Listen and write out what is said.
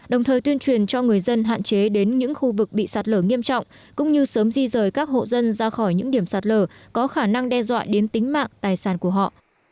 đồng thời tuyên truyền cho người dân hạn chế đến những khu vực bị sạt lở nghiêm trọng cũng như sớm di rời các hộ dân ra khỏi những điểm sạt lở có khả năng đe dọa đến tính mạng tài sản của họ